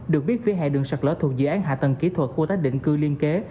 được biết phía hạ đường sạt lỡ thuộc dự án hạ tầng kỹ thuật khu tái định cư liên kế